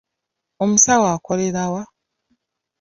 Omusawo akolera wa?